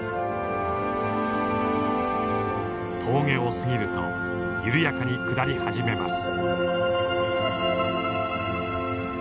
峠を過ぎると緩やかに下り始めます。